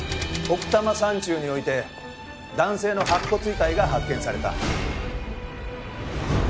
奥多摩山中において男性の白骨遺体が発見された。